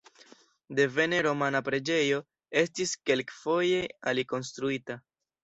Devene romana preĝejo estis kelkfoje alikonstruita.